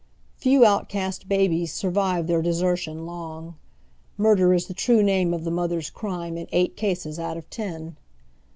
Few outcast babies survive their desertion long. Murder is the true name of the mother's crime in eight cases out of ten.